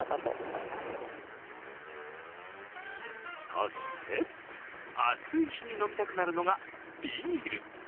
そして、暑い日に飲みたくなるのがビール。